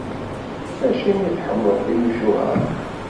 Acimi i tḥemmleḍ timucuha?